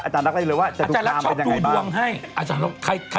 พรุ่งนี้เดี๋ยวเราปล่อยให้๓สาวเค้าจัดรายการกัน